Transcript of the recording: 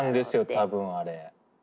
多分あれ。